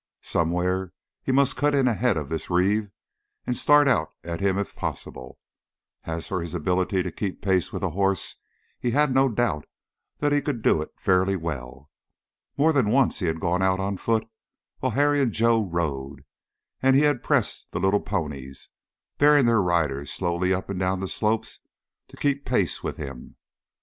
Somewhere he must cut in ahead of this Reeve and start out at him if possible. As for his ability to keep pace with a horse he had no doubt that he could do it fairly well. More than once he had gone out on foot, while Harry and Joe rode, and he had pressed the little ponies, bearing their riders slowly up and down the slopes, to keep pace with him.